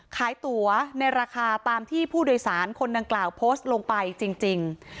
ตัวในราคาตามที่ผู้โดยสารคนดังกล่าวโพสต์ลงไปจริง